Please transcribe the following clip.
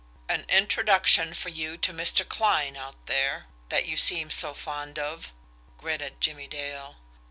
"An introduction for you to Mr. Kline out there that you seem so fond of!" gritted Jimmie Dale.